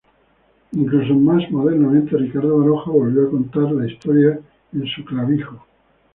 Incluso más modernamente Ricardo Baroja volvió a contar la historia en su "Clavijo".